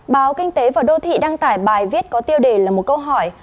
báo kinh tế và đô thị đăng tải bài viết có tiêu đề là một câu hỏi